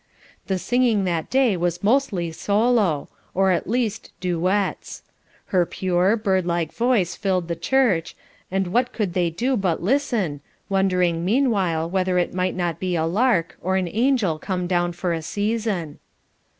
The singing that day was mostly solo, or at least, duets. Her pure, birdlike voice filled the church, and what could they do but listen, wondering meanwhile whether it might not be a lark, or an angel come down for a season.